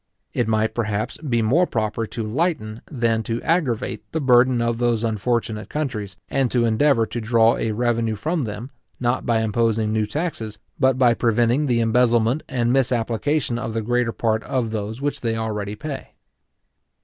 It might, perhaps, be more proper to lighten than to aggravate the burden of those unfortunate countries, and to endeavour to draw a revenue from them, not by imposing new taxes, but by preventing the embezzlement and misapplication of the greater part of those which they already pay.